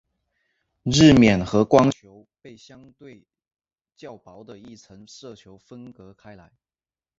日冕和光球被相对较薄的一层色球分隔开来。